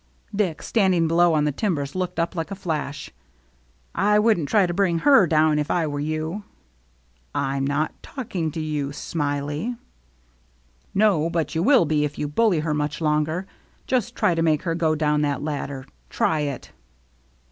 Dick, standing below on the timbers, looked up like a flash. " I wouldn't try to bring her down here if I were you." " I'm not talking to you. Smiley." " No, but you will be if you bully her much longer. Just try to make her go down that ladder. Try it!"